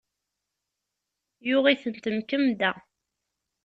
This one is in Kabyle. Yuɣ itent, mkemmda.